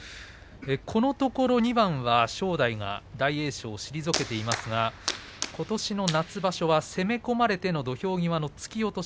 このところ２番は正代が大栄翔を退けていますがことしの夏場所は攻め込まれての土俵際の突き落とし